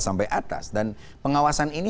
sampai atas dan pengawasan ini